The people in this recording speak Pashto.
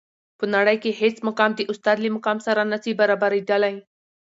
په نړۍ کي هیڅ مقام د استاد له مقام سره نسي برابري دلای.